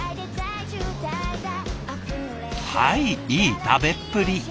はいいい食べっぷり。